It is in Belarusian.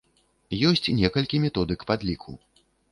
Ёсць некалькі методык падліку.